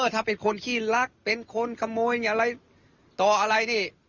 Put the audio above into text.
ถ้าเป็นคนขี้รักเป็นคนขโมยอะไรต่ออะไรนี่